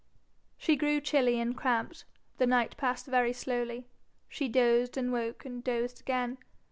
She grew chilly and cramped. The night passed very slowly. She dozed and woke, and dozed again.